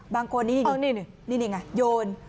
บางคนนี่โยน